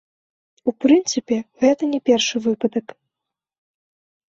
У прынцыпе, гэта не першы выпадак.